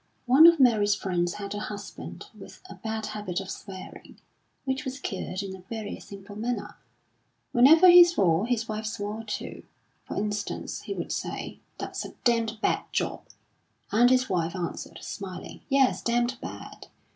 One of Mary's friends had a husband with a bad habit of swearing, which was cured in a very simple manner. Whenever he swore, his wife swore too. For instance, he would say: "That's a damned bad job;" and his wife answered, smiling: "Yes, damned bad."